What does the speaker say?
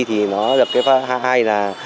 thì nó được hai là